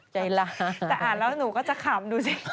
ใจล้าแต่อ่านแล้วหนูก็จะขำดูสิ